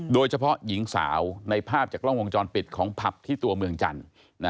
โดยเฉพาะหญิงสาวในภาพจากกล้องวงจรปิดของผับที่ตัวเมืองจันทร์